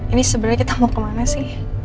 ini sebenarnya kita mau kemana sih